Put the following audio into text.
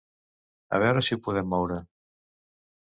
A veure si ho podem moure.